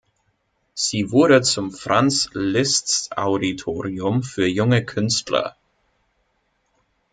Sie wurde zum "Franz Liszt Auditorium" für junge Künstler.